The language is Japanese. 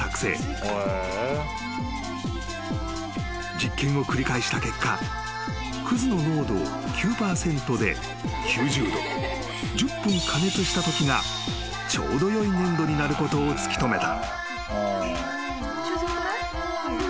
［実験を繰り返した結果くずの濃度を９％で９０℃１０分加熱したときがちょうどよい粘度になることを突き止めた］